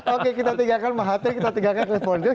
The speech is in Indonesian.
oke kita tinggalkan mahathir kita tinggalkan clifford gertz